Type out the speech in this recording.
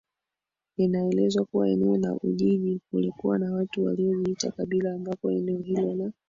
Inaelezwa kuwa eneo la Ujiji kulikuwa na watu waliojiita kabila ambapo eneo hilo la